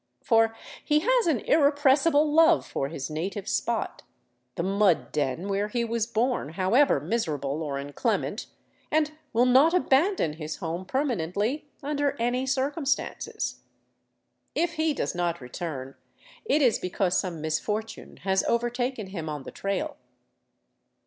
For he has an irrepressible love for his native spot, the mud den where he was born, however miserable or inclement, and will not abandon his home permanently under any circumstances. If he does not return, it is because some misfortune has overtaken him on the trail.